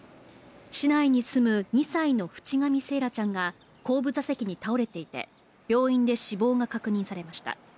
市内に住む２歳の渕上惺愛ちゃんが後部座席に倒れていて、病院で死亡が確認されました。